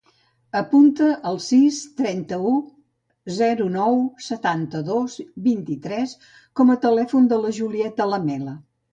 Apunta el sis, trenta-u, zero, nou, setanta-dos, vint-i-tres com a telèfon de la Julieta Lamela.